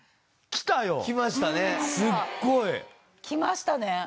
きましたね。